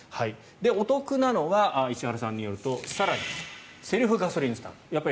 お得なのが、石原さんによるとセルフガソリンスタンド。